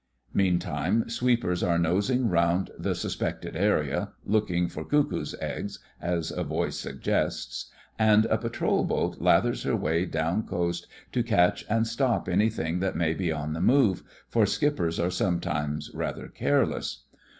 Mean time, sweepers are nosing round the suspected area — "looking for cuc koos' eggs," as a voice suggests; and a patrol boat lathers her way down coast to catch and stop anything that may be on the move, for skip pers are sometimes rather careless.